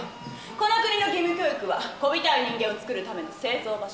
この国の義務教育はこびたい人間を作るための製造場所。